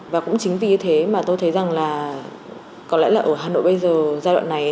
và cũng chính vì thế mà tôi thấy rằng là có lẽ là ở hà nội bây giờ giai đoạn này